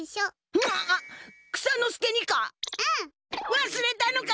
わすれたのか！？